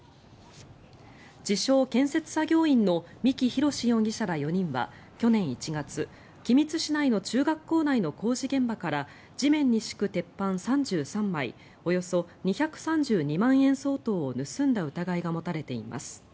自称・建設作業員の三木博史容疑者ら４人は去年１月、君津市内の中学校内の工事現場から地面に敷く鉄板３３枚およそ２３２万円相当を盗んだ疑いが持たれています。